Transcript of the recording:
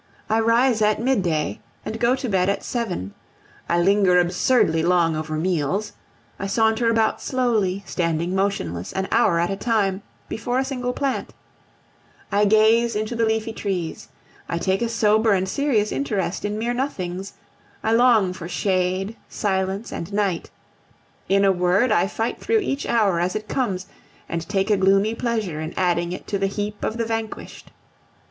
I rise at midday and go to bed at seven; I linger absurdly long over meals; I saunter about slowly, standing motionless, an hour at a time, before a single plant; I gaze into the leafy trees; I take a sober and serious interest in mere nothings; I long for shade, silence, and night; in a word, I fight through each hour as it comes, and take a gloomy pleasure in adding it to the heap of the vanquished.